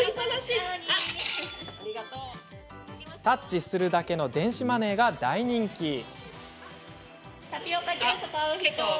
タッチするだけの電子マネーが大人気。